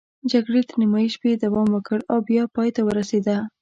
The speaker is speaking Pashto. جګړې تر نیمايي شپې دوام وکړ او بیا پای ته ورسېده.